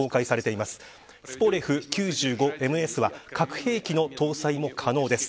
ツポレフ９５ＭＳは核兵器の搭載も可能です。